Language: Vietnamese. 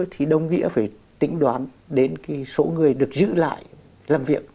thì đồng nghĩa phải tính đoán đến số người được giữ lại làm việc